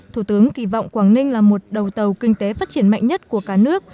thủ tướng kỳ vọng quảng ninh là một đầu tàu kinh tế phát triển mạnh nhất của cả nước